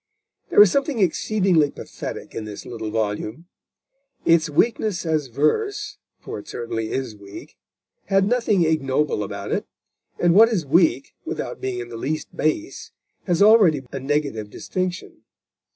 There is something exceedingly pathetic in this little volume. Its weakness as verse, for it certainly is weak, had nothing ignoble about it, and what is weak without being in the least base has already a negative distinction.